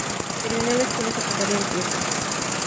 Terminó la escuela secundaria en Trieste.